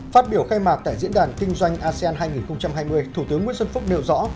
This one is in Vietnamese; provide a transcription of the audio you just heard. phát biểu khai mạc tại diễn đàn kinh doanh asean hai nghìn hai mươi thủ tướng nguyễn xuân phúc nêu rõ